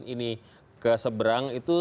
ini keseberang itu